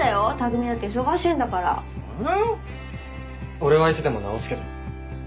俺はいつでも直すけど。